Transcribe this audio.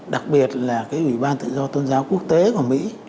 đặc biệt là cái ủy ban tự do tôn giáo quốc tế của mỹ